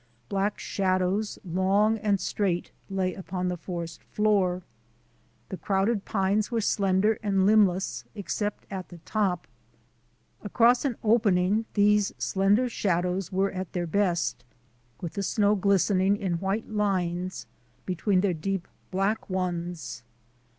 Black shadows, long and straight, lay upon the forest floor. The crowded pines were slender and limbless except at the top. Across an opening these slender shadows were at their best, with the snow glistening in white lines between their deep black ones.